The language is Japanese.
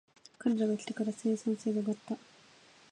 彼らが来てから生産性が上がった